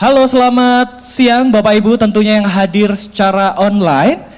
halo selamat siang bapak ibu tentunya yang hadir secara online